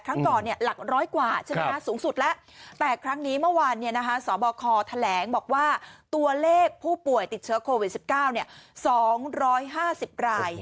ครั้งก่อนเนี่ยหลักร้อยกว่าใช่มั้ยคะสูงสุดแล้วแต่ครั้งนี้เมื่อวานเนี่ยนะคะสอบคอแถลงบอกว่าตัวเลขผู้ป่วยติดเชื้อโควิดสิบเก้าเนี่ยสองร้อยห้าสิบราย